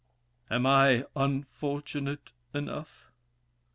Am I unfortunate enough?